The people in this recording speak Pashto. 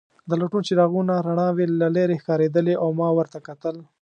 د لټون څراغونو رڼاوې له لیرې ښکارېدلې او ما ورته کتل.